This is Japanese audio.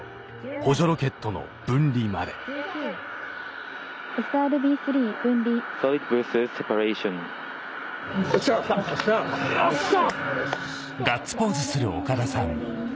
補助ロケットの分離までよっしゃ！